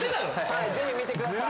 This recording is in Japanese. はいぜひ見てください